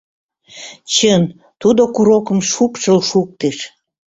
Чын, тудо курокым шупшыл шуктыш.